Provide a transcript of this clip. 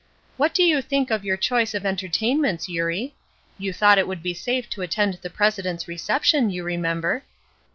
What do you think of your choice of entertainments, Eurie? You thought it would be safe to attend the president's reception, you remember."